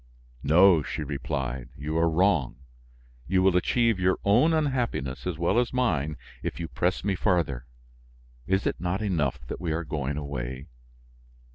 "No," she replied, "you are wrong; you will achieve your own unhappiness as well as mine if you press me farther. Is it not enough that we are going away?